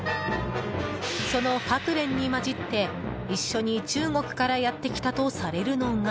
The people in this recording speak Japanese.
そのハクレンに混じって一緒に中国からやってきたとされるのが。